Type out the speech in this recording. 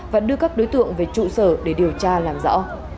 và đưa các đối tượng về trụ sở để điều tra làm rõ